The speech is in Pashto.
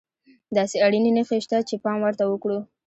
داسې اړينې نښې شته چې پام ورته وکړو.